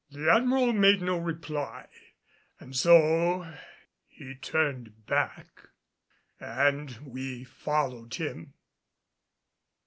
The Admiral made no reply and so he turned back and we followed him.